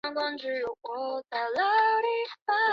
驼石鳖属为石鳖目石鳖科下的一个属。